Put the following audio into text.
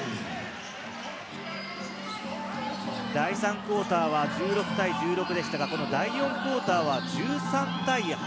第３クオーターは１６対１６でしたが、第４クオーターは１３対８。